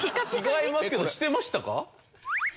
違いますけどしてましたか？